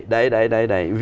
đấy đấy đấy đấy